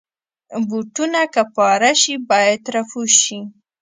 بوټونه که پاره شي، باید رفو شي.